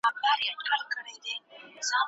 د اوبو بندونه زموږ د اقتصاد ملا تړي.